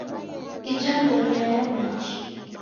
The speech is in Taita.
Ija ndoria ya machi